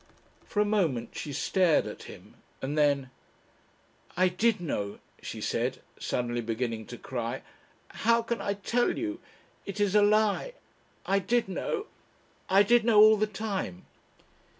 For a moment she stared at him, and then, "I did know," she said, suddenly beginning to cry. "How can I tell you? It is a lie. I did know. I did know all the time."